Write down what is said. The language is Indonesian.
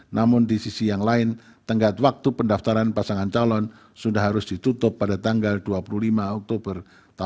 namun di sisi yang lain tenggat waktu pendaftaran pasangan calon sudah harus ditutup pada tanggal dua puluh lima oktober dua ribu dua puluh